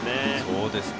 そうですね。